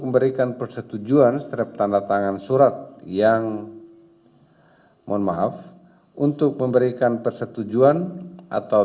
memberikan persetujuan setiap tanda tangan surat yang mohon maaf untuk memberikan persetujuan atau